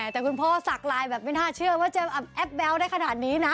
แต่คุณพ่อสักไลน์แบบไม่น่าเชื่อว่าจะแอปแบ๊วได้ขนาดนี้นะ